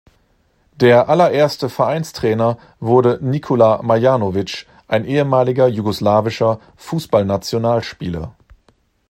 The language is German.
Der aller erste Vereinstrainer wurde Nikola Marjanović, ein ehemaliger jugoslawischer Fußballnationalspieler.